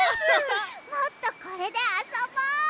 もっとこれであそぼう！